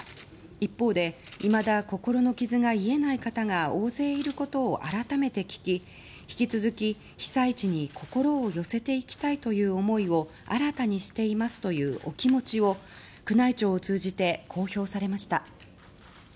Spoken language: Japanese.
一方で、いまだ心の傷が癒えない方が大勢いることを改めて聞き引き続き、被災地に心を寄せていきたいという思いを新たにしていますというお気持ちを宮内庁を通じて公表されました。